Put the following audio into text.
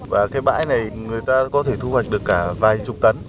và cái bãi này người ta có thể thu hoạch được cả vài chục tấn